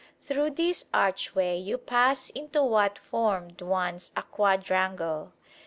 Through this archway you pass into what formed once a quadrangle.